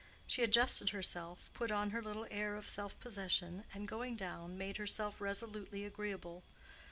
She adjusted herself, put on her little air of self possession, and going down, made herself resolutely agreeable.